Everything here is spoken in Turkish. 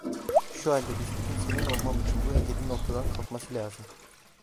Şu halde büsbütün senin olmam için bu engelin ortadan kalkması lazım.